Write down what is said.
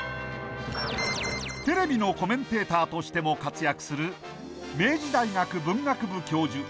テレビのコメンテーターとしても活躍する明治大学文学部教授